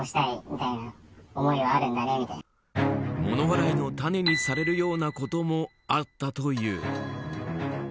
物笑いの種にされるようなこともあったという。